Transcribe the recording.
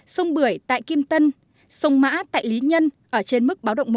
sông bưởi tại kim tân sông mã tại lý nhân ở trên mức báo động một